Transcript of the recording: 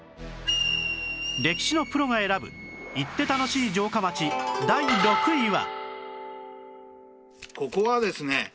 歴史のプロが選ぶ行って楽しい城下町第６位は